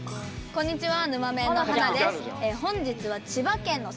こんにちは。